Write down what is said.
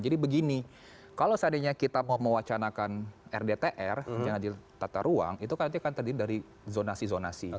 jadi begini kalau seandainya kita mau mewacanakan rdtr yang ada di tata ruang itu kan terdiri dari zonasi zonasi